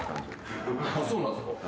そうなんすか。